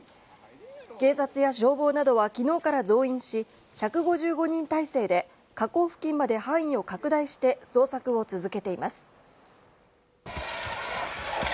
警察や消防などは昨日から増員し、１５５人態勢で河口付近まで範囲を拡大して捜索を続けています。